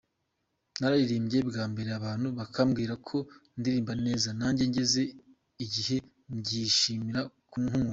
Nararirimbye bwa mbere abantu bakambwira ko ndirimba neza nanjye ngeze igihe mbyinjiramo nk’umwuga.